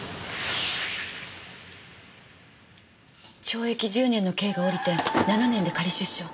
懲役１０年の刑が下りて７年で仮出所。